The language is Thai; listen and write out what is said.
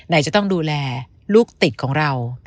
ไหนจะต้องดูแลลูกติดของเรา